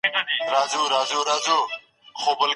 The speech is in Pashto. په افغانستان کي ژمی ګرم نه وي.